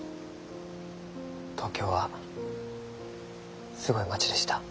東京はすごい街でした。